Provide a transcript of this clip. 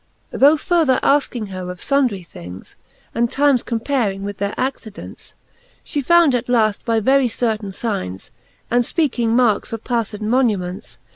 Tho further afking her of fundry things And times comparing with their accidents. She found at laft by very certaine fignes, And fpeaking markes of pafled monuments.